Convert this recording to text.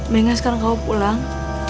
mengeskan kamu pulang